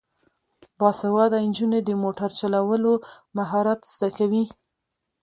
باسواده نجونې د موټر چلولو مهارت زده کوي.